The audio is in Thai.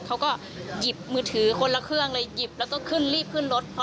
เขาก็หยิบมือถือคนละเครื่องเลยหยิบแล้วก็ขึ้นรีบขึ้นรถ